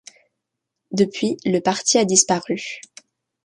Depuis, le parti a disparu.